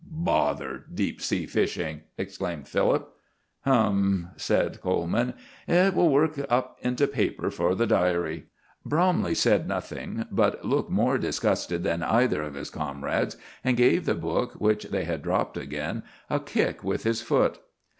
"Bother deep sea fishing!" exclaimed Philip. "Hum!" said Coleman, "it will work up into paper for the diary." Bromley said nothing, but looked more disgusted than either of his comrades, and gave the book, which they had dropped again, a kick with his foot.